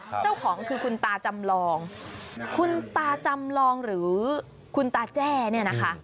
เจ้าของคือคุณตาจำลองคุณตาจำลองหรือคุณตาแจ้เนี่ยนะคะ